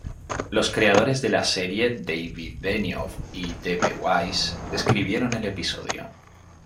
Los creadores de la serie David Benioff y D. B. Weiss escribieron el episodio.